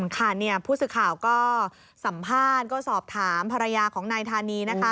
ค่ะผู้สื่อข่าวก็สัมภาษณ์ก็สอบถามภรรยาของนายธานีนะคะ